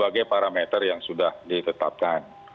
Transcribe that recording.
sebagai parameter yang sudah ditetapkan